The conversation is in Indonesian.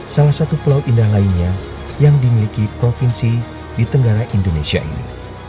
salah satu pulau indah lainnya yang dimiliki provinsi di tenggara indonesia ini